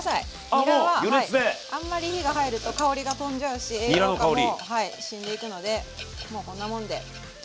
にらはあんまり火が入ると香りが飛んじゃうし栄養価も死んでいくのでもうこんなもんで。